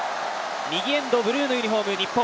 右エンド、ブルーのユニフォーム、日本。